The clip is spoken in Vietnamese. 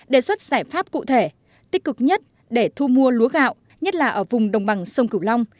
đề xuất giải pháp cụ thể tích cực nhất để thu mua lúa gạo nhất là ở vùng đồng bằng sông cửu long